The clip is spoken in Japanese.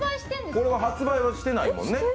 これは発売してないもんね。